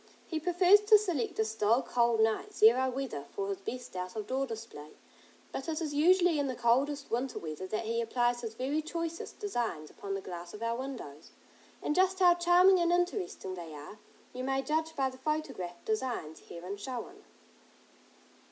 He prefers to select a still, cold night, zero weather, for his best out of door display, but it is usually in the coldest winter weather that he applies his very choicest designs upon the glass of our windows, and just how charming and interesting they are, you may judge by the photographed designs herein shown.